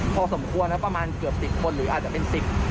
พอสมควรแล้วประมาณเกือบ๑๐คนหรืออาจจะเป็น๑๐